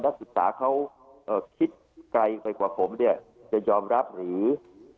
นักศึกษาเขาคิดไกลไปกว่าผมเนี่ยจะยอมรับหรือ